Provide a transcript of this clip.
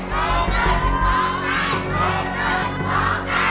โค้งเต้น